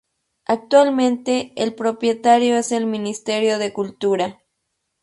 Actualmente el propietario es el Ministerio de Cultura.